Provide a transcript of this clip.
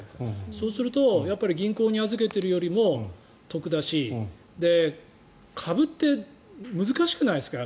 そうするとやっぱり銀行に預けているよりも得だし株って難しくないですか。